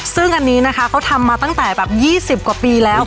ซึ่งอันนี้นะคะเขาทำมาตั้งแต่แบบ๒๐กว่าปีแล้ว